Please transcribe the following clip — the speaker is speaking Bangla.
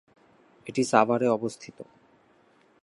এটি সাভারে অবস্থিত।